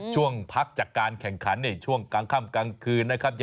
ช่วงพักจากการแข่งขันในช่วงกลางค่ำกลางคืนนะครับ